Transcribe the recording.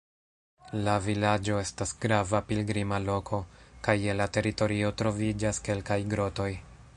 La vilaĝo estas grava pilgrima loko, kaj je la teritorio troviĝas kelkaj grotoj.